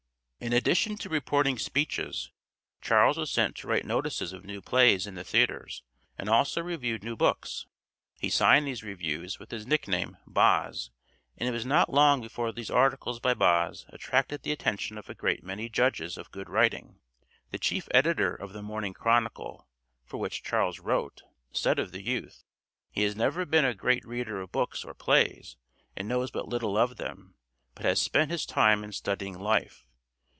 In addition to reporting speeches Charles was sent to write notices of new plays in the theatres and also reviewed new books. He signed these reviews with his nickname "Boz," and it was not long before these articles by Boz attracted the attention of a great many judges of good writing. The chief editor of the Morning Chronicle, for which Charles wrote, said of the youth, "He has never been a great reader of books or plays and knows but little of them, but has spent his time in studying life.